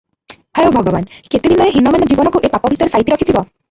ହାୟ ଭଗବାନ୍- କେତେଦିନ ଏ ହିନମାନ ଜୀବନକୁ ଏ ପାପ ଭିତରେ ସାଇତି ରଖିଥିବ ।